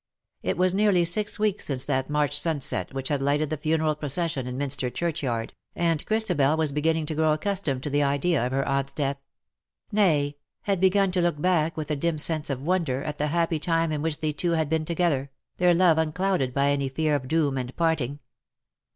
It was nearly six weeks since that March sunset which had lighted the funeral procession in Minster Churchyard^ and Christabel was beginning to grow accustomed to the idea of her aunt^s death — nay, had begun to look back with a dim sense of wonder at the happy time in which they two had been together, their love unclouded by any fear of doom and parting.